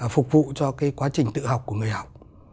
phục vụ cho cái quá trình tự học của người học